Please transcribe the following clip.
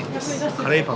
カレーパン